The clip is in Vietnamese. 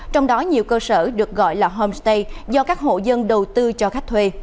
trong đó nhiều cơ sở được gọi là homestay do các hộ dân đầu tư cho khách thuê